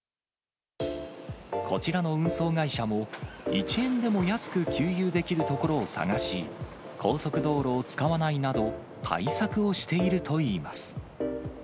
こちらの運送会社も、１円でも安く給油できる所を探し、高速道路を使わないなど、対策をしているといいます。